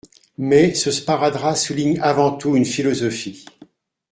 Mais ce sparadrap souligne avant tout une philosophie.